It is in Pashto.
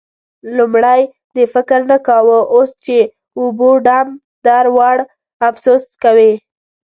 لومړی دې فکر نه کاوو؛ اوس چې اوبو ډم در وړ، افسوس کوې.